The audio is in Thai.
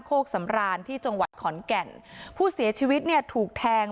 กสำราญที่จังหวัดขอนแก่นผู้เสียชีวิตเนี่ยถูกแทง